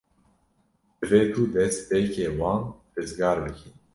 Divê tu destpêkê wan rizgar bikî.